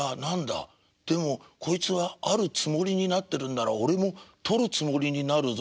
でもこいつはあるつもりになってるんなら俺もとるつもりになるぞ」。